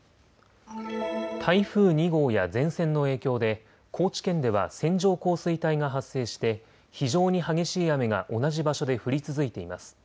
台風２号や前線の影響で高知県では線状降水帯が発生して非常に激しい雨が同じ場所で降り続いています。